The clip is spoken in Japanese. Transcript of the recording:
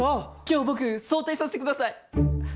今日僕早退させてください。